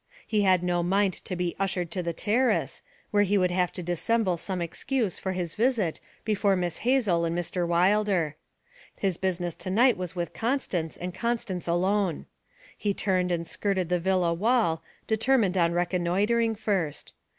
He had no mind to be ushered to the terrace, where he would have to dissemble some excuse for his visit before Miss Hazel and Mr. Wilder. His business to night was with Constance, and Constance alone. He turned and skirted the villa wall, determined on reconnoitring first.